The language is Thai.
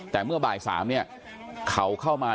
แต่เมื่อบ่าย๓เนี่ยเขาเข้ามา